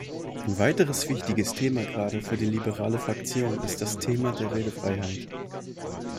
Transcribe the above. Ein weiteres wichtiges Thema gerade für die Liberale Fraktion ist das Thema der Redefreiheit.